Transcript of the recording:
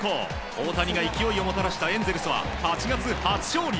大谷が勢いをもたらしたエンゼルスは８月初勝利。